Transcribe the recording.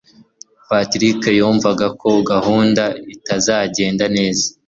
Patrick yumvaga ko gahunda itazagenda neza.